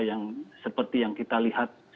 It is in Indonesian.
yang seperti yang kita lihat